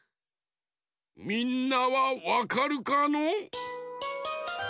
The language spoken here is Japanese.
みんなはわかるかの？